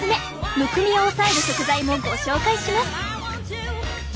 むくみを抑える食材もご紹介します！